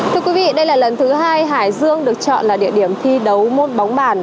thưa quý vị đây là lần thứ hai hải dương được chọn là địa điểm thi đấu môn bóng bàn